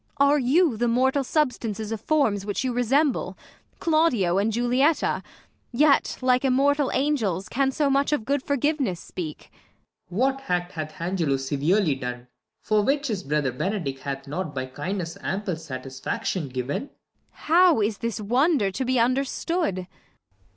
Are you the mortal substances of forms Which you resemble, Claudio and Julietta ; Yet, like immortal angels, can so much Of good forgiveness speak ? Claud. What act hath Angelo severely done, For which his brother Benedick hath not By kindness ample satisfaction given 1 Ang. How is this wonder to be understood